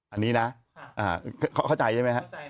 อันนี้นะเข้าใจใช่หรือไม่ครับ